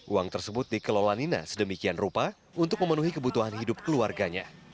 uang tersebut dikelola nina sedemikian rupa untuk memenuhi kebutuhan hidup keluarganya